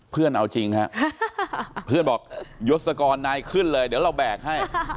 เพื่อนเอาจริงฮะเพื่อนบอกยศกรนายขึ้นเลยเดี๋ยวเราแบกให้